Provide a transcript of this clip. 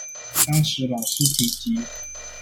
當時老師提及